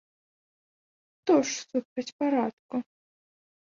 Хто ж супраць парадку?!